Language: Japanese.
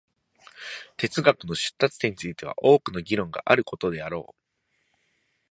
哲学の出立点については多くの議論があることであろう。